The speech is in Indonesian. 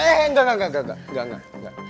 eh enggak enggak enggak enggak enggak enggak